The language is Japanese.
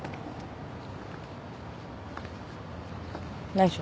内緒。